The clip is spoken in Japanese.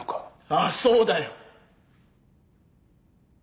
ああそうだよ。